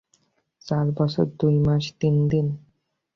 চার বছর, দুই মাস, তিন দিন।